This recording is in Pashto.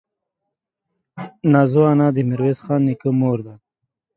نازو انا دې ميرويس خان نيکه مور ده.